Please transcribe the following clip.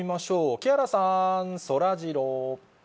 木原さん、そらジロー。